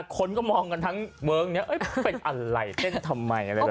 คนก็มองกันทั้งเวิร์คนี้เป็นอะไรเต้นทำไมอะไรแบบนี้